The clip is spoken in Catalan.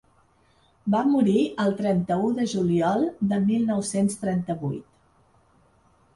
Va morir el trenta-u de juliol de mil nou-cents trenta-vuit.